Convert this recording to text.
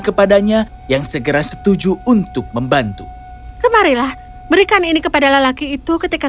kepadanya yang segera setuju untuk membantu kemarilah berikan ini kepada lelaki itu ketika